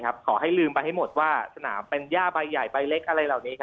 ขอให้ลืมไปให้หมดว่าสนามเป็นย่าใบใหญ่ใบเล็กอะไรเหล่านี้